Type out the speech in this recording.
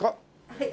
はい。